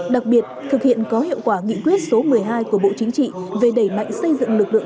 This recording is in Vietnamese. đặc biệt thực hiện có hiệu quả nghị quyết số một mươi hai của bộ chính trị về đẩy mạnh xây dựng lực lượng